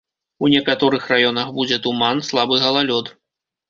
У некаторых раёнах будзе туман, слабы галалёд.